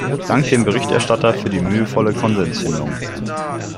Dank dem Berichterstatter für die mühevolle Konsensfindung!